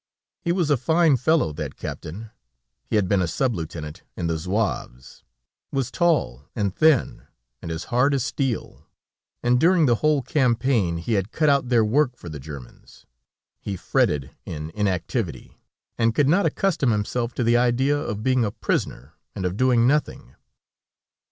He was a fine fellow that captain. He had been a sub lieutenant in the Zouaves, was tall and thin, and as hard as steel, and during the whole campaign he had cut out their work for the Germans. He fretted in inactivity and could not accustom himself to the idea of being a prisoner and of doing nothing.